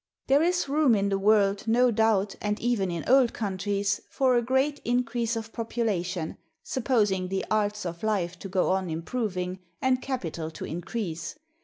There is room in the world, no doubt, and even in old countries, for a great increase of population, supposing the arts of life to go on improving, and capital to increase.